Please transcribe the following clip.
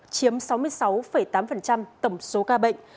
chiếm sáu mươi sáu tám tổng số ca bệnh